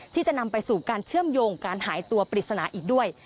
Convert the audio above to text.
ที่จะนำไปสู่การเชื่อมโยงการหายตัวปริศนาอีกด้วย